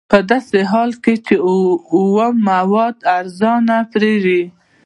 په داسې حال کې چې اومه مواد ارزانه پېري